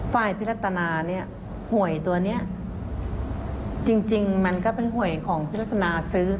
ฝ่ายพิรตนาหวยตัวนี้จริงมันก็เป็นหวยของพิรตนาซื้อ